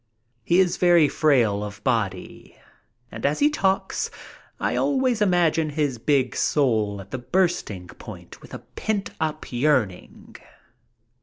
He is very frail of body, and as he talks I always imagine his big soul at the bursting point with a pent up yearning.